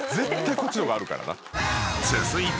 ［続いて］